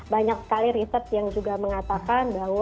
banyak sekali riset yang juga mengatakan bahwa ibu itu sangat potensial ya